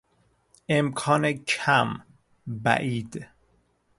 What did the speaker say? امکان کم، بعید